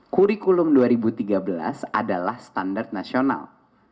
kurikulum dua ribu tiga belas adalah standar nasional